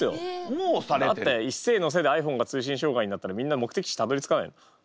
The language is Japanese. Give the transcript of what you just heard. だって「いっせのせっ」でｉＰｈｏｎｅが通信障害になったらみんな目的地たどりつかない。